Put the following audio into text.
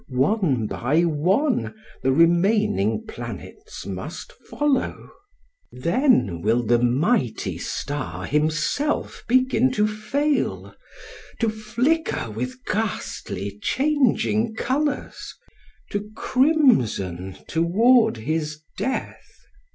One by one the remaining planets must follow. Then will the Digitized by Googk 212 REVERY mighty star himself begin to fail — to flicker with ghastly changing colours — to crimson toward his death.